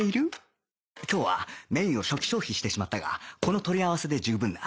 今日はメインを初期消費してしまったがこの取り合わせで十分だ